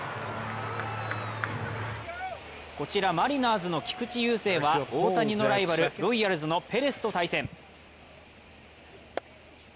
こちらマリナーズの菊池雄星は、大谷のライバル、ロイヤルズのペレスと対戦。